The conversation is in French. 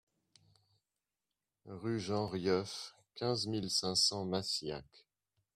Rue Jean Rieuf, quinze mille cinq cents Massiac